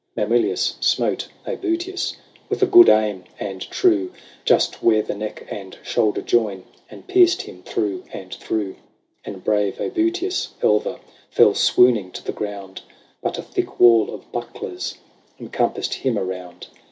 Mamilius smote ^butius. With a good aim and true, Just where the neck and shoulder join, And pierced him through and through ; And brave ^butius Elva Fell swooning to the ground : But a thick wall of bucklers Encompassed him around.